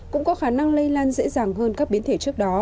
cũng có khả năng lây lan dễ dàng hơn các biến thể trước đó